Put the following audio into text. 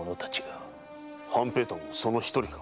半平太もその一人か？